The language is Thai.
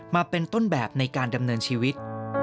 มาเป็นต้นแบบในการดำเนินชีวิต